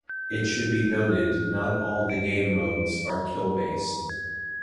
It should be noted not all the game modes are kill based.